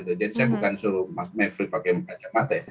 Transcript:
jadi saya bukan suruh mas maverick pakai kacamata ya